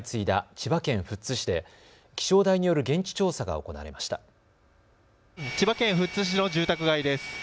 千葉県富津市の住宅街です。